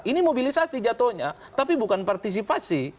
ini mobilisasi jatuhnya tapi bukan partisipasi